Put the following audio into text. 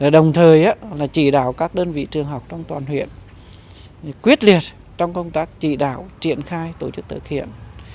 đồng thời chỉ đạo các đơn vị trường học trong toàn huyện quyết liệt trong công tác chỉ đạo triển khai tổ chức thực hiện